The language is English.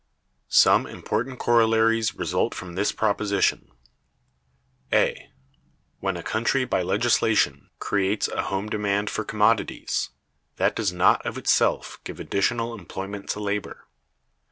Some important corollaries result from this proposition: (a.) When a country by legislation creates a home demand for commodities, that does not of itself give additional employment to labor.